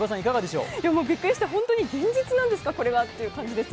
びっくりした、ホントに現実なんですかという感じです。